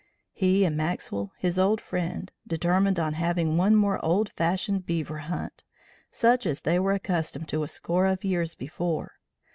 He and Maxwell, his old friend, determined on having one more old fashioned beaver hunt, such as they were accustomed to a score of years before.